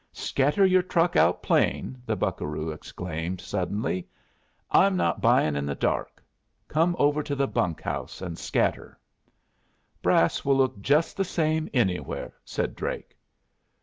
"Scatter your truck out plain!" the buccaroo exclaimed, suddenly. "I'm not buying in the dark. Come over to the bunk house and scatter." "Brass will look just the same anywhere," said Drake.